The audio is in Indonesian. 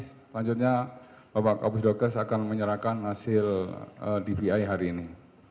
selanjutnya bapak kapus dokes akan menyerahkan hasil dvi hari ini